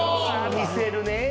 見せるねぇ。